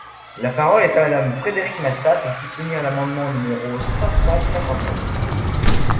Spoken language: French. La parole est à Madame Frédérique Massat, pour soutenir l’amendement numéro cinq cent cinquante-neuf.